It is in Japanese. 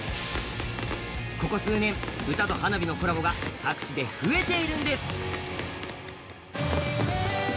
ここ数年、歌と花火のコラボが各地で増えているんです。